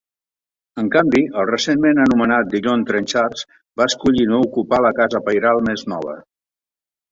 En canvi, el recentment anomenat Dillon-Trenchards va escollir no ocupar la casa pairal més nova.